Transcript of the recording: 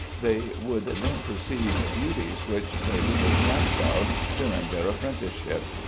They would then perceive beauties which they little dreamt of during their apprenticeship.